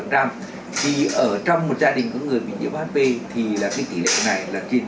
thì ở trong một gia đình có người bị nhiễm hp thì tỷ lệ này là trên chín mươi